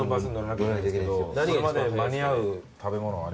それまでに間に合う食べ物はあります？